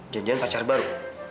janjian pacar baru